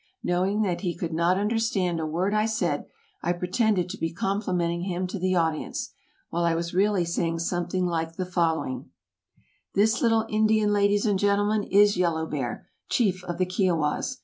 Knowing that he could not understand a word I said, I pretended to be complimenting him to the audience, while I was really saying something like the following: "This little Indian, ladies and gentlemen, is Yellow Bear, chief of the Kiowas.